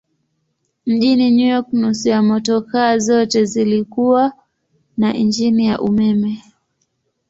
Mjini New York nusu ya motokaa zote zilikuwa na injini ya umeme.